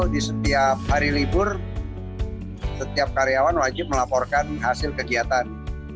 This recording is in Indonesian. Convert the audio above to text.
di setiap hari libur setiap karyawan wajib melaporkan hasil kegiatan